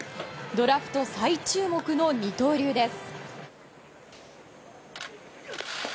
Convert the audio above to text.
ドラフト最注目の二刀流です。